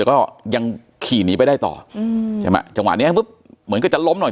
แล้วก็ยังขี่หนีไปได้ต่ออืมใช่ไหมจังหวะเนี้ยปุ๊บเหมือนก็จะล้มหน่อย